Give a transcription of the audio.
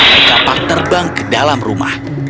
dan kapak terbang ke dalam rumah